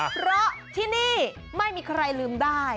เพราะที่นี่ไม่มีใครลืมได้